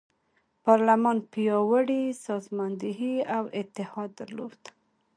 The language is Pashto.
پارلمان پیاوړې سازماندهي او اتحاد درلود.